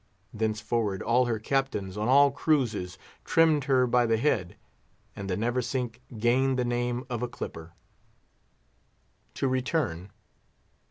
Thenceforward all her Captains, on all cruises, trimmed her by the head; and the Neversink gained the name of a clipper. To return.